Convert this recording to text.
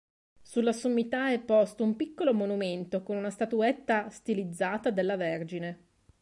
Sulla sommità è posto un piccolo monumento con una statuetta stilizzata della Vergine.